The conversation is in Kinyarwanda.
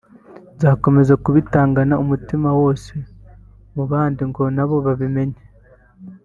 nzakomeza kubitangana umutima wose mu bandi ngo nabo babimenye